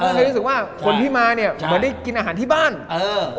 ก็เลยรู้สึกว่าคนที่มาเนี่ยเหมือนได้กินอาหารที่บ้านเออ